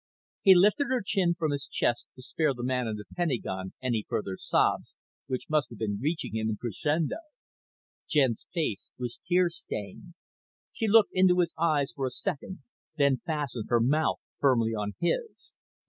He lifted her chin from his chest to spare the man in the Pentagon any further sobs, which must have been reaching him in crescendo. Jen's face was tear stained. She looked into his eyes for a second, then fastened her mouth firmly on his.